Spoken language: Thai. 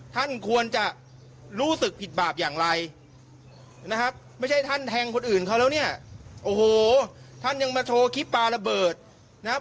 แทงคนอื่นเขาแล้วเนี่ยโอ้โหท่านยังมาโทรคลิปปลาระเบิดนะครับ